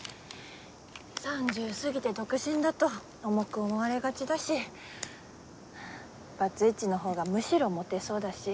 ３０過ぎて独身だと重く思われがちだしバツイチのほうがむしろモテそうだし。